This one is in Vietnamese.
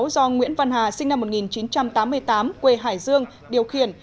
do nguyễn văn hà sinh năm một nghìn chín trăm tám mươi tám quê hải dương điều khiển